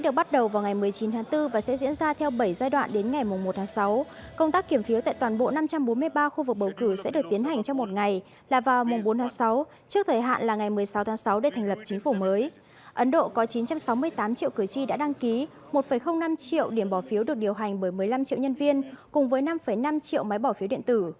cùng với năm năm triệu máy bỏ phiếu điện tử